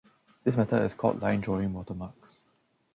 This method is called line drawing watermarks.